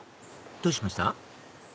どうしました？